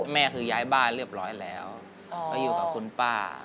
แม่คือย้ายบ้านเรียบร้อยแล้วก็อยู่กับคุณป้า